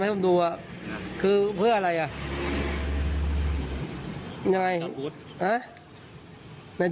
ฝ้าหันช็อตบูธ